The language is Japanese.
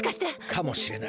かもしれない。